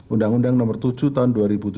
undang undang nomor tujuh tahun dua ribu tujuh belas